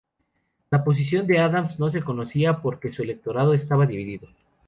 La posición de Adams no se conocía, porque su electorado estaba dividido.